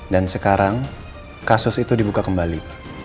dan sekarang kasus itu dibuka kembali